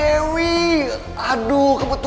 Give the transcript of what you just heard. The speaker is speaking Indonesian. emang kesatu bang wanted